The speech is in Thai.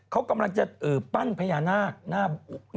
เขากำลังจะปั้นพญานาคหน้า